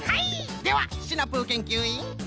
ではシナプーけんきゅういん！